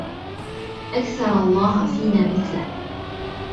أَكْثَرَ اللَّهُ فِينَا مِثْلَك